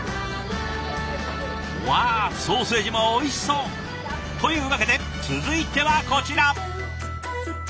わあソーセージもおいしそう。というわけで続いてはこちら。